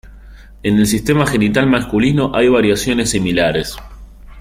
En el sistema genital masculino hay variaciones similares.